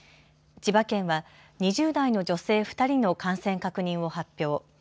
千葉県は２０代の女性２人の感染確認を発表。